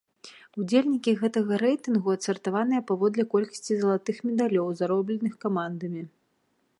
Удзельнікі гэтага рэйтынгу адсартаваныя паводле колькасці залатых медалёў, заробленых камандамі.